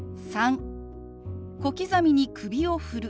３小刻みに首を振る。